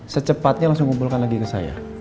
secepatnya langsung kumpulkan lagi ke saya